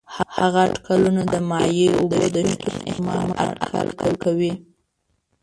هغه اټکلونه د مایع اوبو د شتون احتمال اټکل کوي.